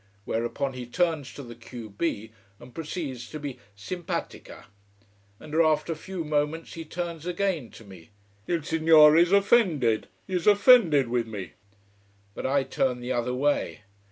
Whereupon he turns to the q b, and proceeds to be simpatica. And after a few moments he turns again to me: "Il signore is offended! He is offended with me." But I turn the other way.